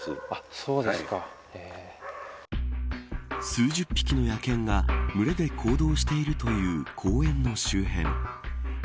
数十匹に野犬が群れで行動しているという公園の周辺。